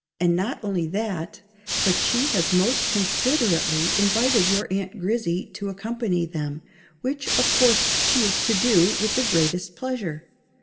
_ And not only that, but she has most considerately invited your Aunt Grizzy to accompany them, which, of course, she is to do with the greatest _pleasure.